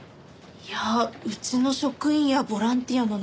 いやうちの職員やボランティアの中には。